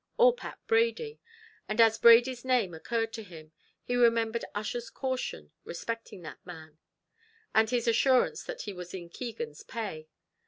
or Pat Brady! And as Brady's name occurred to him, he remembered Ussher's caution respecting that man, and his assurance that he was in Keegan's pay.